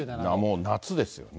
もう夏ですよね。